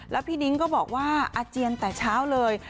แล้วพี่นิ้งก็บอกว่าอาเจียนแต่เช้าเลย